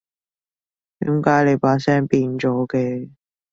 點解你把聲變咗嘅？